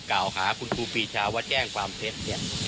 กล่าวหาคุณครูปีชาว่าแจ้งความเท็จเนี่ย